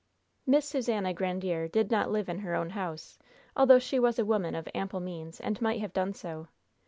Miss Susannah Grandiere did not live in her own house, although she was a woman of ample means and might have done so.